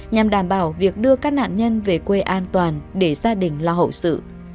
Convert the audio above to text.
nhằm đảm bảo việc đưa các nạn nhân về quê an toàn để gia đình lo hậu sự